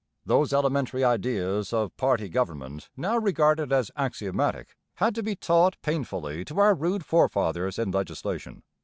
Those elementary ideas of party government now regarded as axiomatic had to be taught painfully to our rude forefathers in legislation.